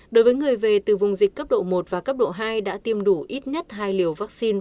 đối với người về từ vùng dịch cấp độ một và cấp độ hai đã tiêm đủ ít nhất hai liều vaccine